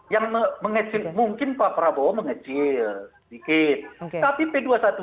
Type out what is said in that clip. yang mengecil mungkin pak prabowo mengecil sedikit